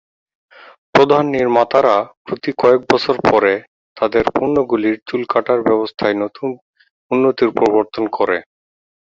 প্রধান নির্মাতারা প্রতি কয়েক বছর পরে তাদের পণ্যগুলির চুল কাটার ব্যবস্থায় নতুন উন্নতি প্রবর্তন করে।